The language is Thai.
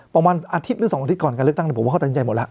ประมาณอาทิตย์หรือ๒อาทิตย์ก่อนการเลือกตั้งผมว่าเขาตัดสินใจหมดแล้ว